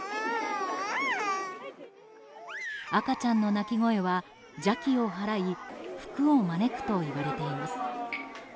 赤ちゃんの泣き声は邪気を払い福を招くといわれています。